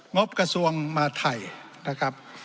บกระทรวงมาไทยนะครับ